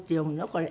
これ。